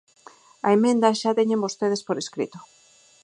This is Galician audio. A emenda xa a teñen vostedes por escrito.